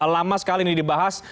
lama sekali ini dibahas